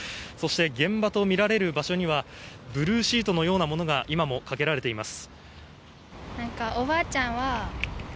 現場とみられる場所にはブルーシートのようなものが今もかけられています。